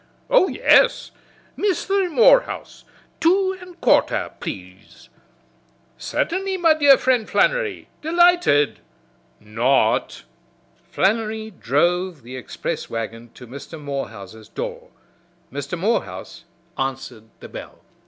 Oh, yes! 'Misther Morehouse, two an' a quarter, plaze.' 'Cert'nly, me dear frind Flannery. Delighted!' Not!" Flannery drove the express wagon to Mr. Morehouse's door. Mr. Morehouse answered the bell.